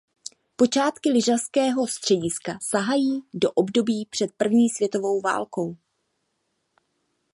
Počátky lyžařského střediska sahají do období před první světovou válkou.